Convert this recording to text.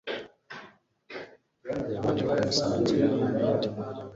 yabanje kumusanganira igihe bari abanyeshuri